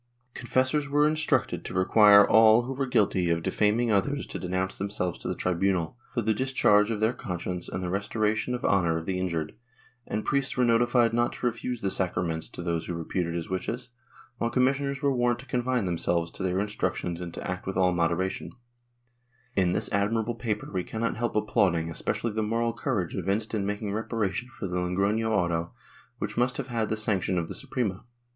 Confessors were instructed to require all who were guilty of defaming others to denounce themselves Chap IX] DELUSION BECOONIZED 237 to the tribunal, for the discharge of their conscience and the resto ration to honor of the injured, and priests were notified not to refuse the sacraments to those reputed as witches, while commissioners were warned to confine themselves to their instructions and to act with all moderation/ In this admirable paper we cannot help applauding especially the moral courage evinced in making reparation for the Logroho auto, which must have had the sanction of the Suprema.